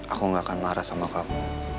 aku gak akan marah sama kamu